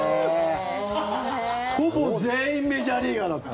ほぼ全員メジャーリーガーだって。